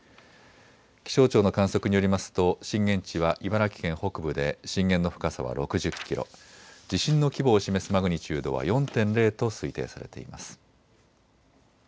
気象庁の観測によりますと震源地は茨城県北部で震源の深さは６０キロ、地震の規模を示すマグニチュードは４．０と推定されています。